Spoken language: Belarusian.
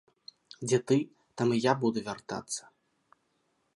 Дзе ты, там і я буду вяртацца.